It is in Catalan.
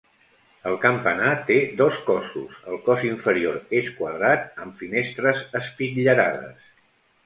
El campanar té dos cossos, el cos inferior és quadrat, amb finestres espitllerades.